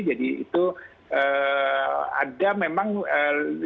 jadi itu ada memang ya meningkat